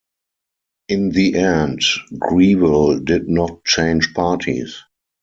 In the end, Grewal did not change parties.